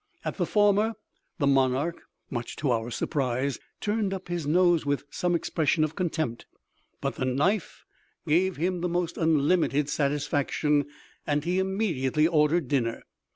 At the former the monarch, much to our surprise, turned up his nose with some expression of contempt, but the knife gave him the most unlimited satisfaction, and he immediately ordered dinner.